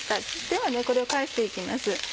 ではこれを返して行きます。